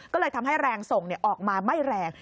ก็เลยทำให้แรงส่งออกมาไม่แรง